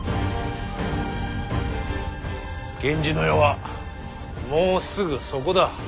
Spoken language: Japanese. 源氏の世はもうすぐそこだ。